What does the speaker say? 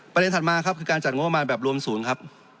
ถัดมาครับคือการจัดงบประมาณแบบรวมศูนย์ครับ